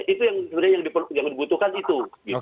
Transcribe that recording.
itu yang sebenarnya yang dibutuhkan itu